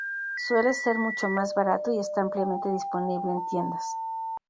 Suele ser mucho más barato y está ampliamente disponible en tiendas.